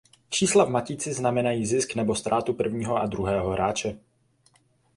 Čísla v matici znamenají zisk nebo ztrátu prvního a druhého hráče.